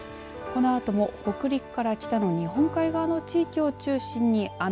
このあとも北陸から北の日本海側の地域を中心に雨。